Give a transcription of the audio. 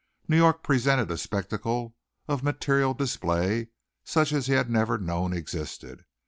New York presented a spectacle of material display such as he had never known existed.